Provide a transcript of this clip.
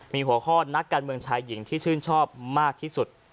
มีหัวข้อนักการเมืองชายหญิงที่ชื่นชอบมากที่สุด